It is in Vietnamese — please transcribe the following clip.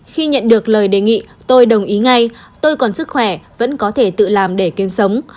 khi nhận được lời đề nghị tôi đồng ý ngay tôi còn sức khỏe vẫn có thể tự làm để kiếm sống